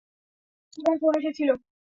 উনার ফোন এসেছিল।